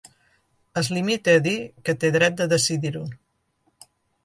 Es limita a dir que té dret de decidir-ho.